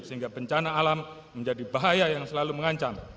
sehingga bencana alam menjadi bahaya yang selalu mengancam